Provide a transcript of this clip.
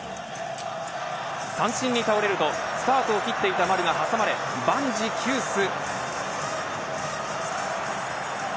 三振に倒れるとスタートを切っていた丸が挟まれ万事休す。